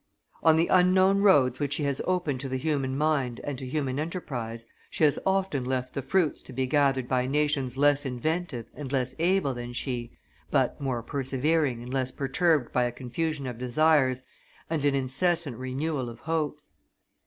On the unknown roads which she has opened to the human mind and to human enterprise she has often left the fruits to be gathered by nations less inventive and less able than she, but more persevering and less perturbed by a confusion of desires and an incessant renewal of hopes.